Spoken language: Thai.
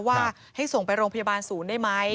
ว่าให้ส่งไปโรงพยาบาลศูนย์ได้ไหม